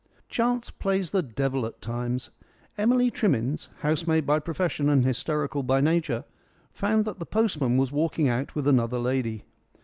Chance plays the devil at times. Emily Trimmins, housemaid by profession and hysterical by nature, found that the postman was walking out with another lady.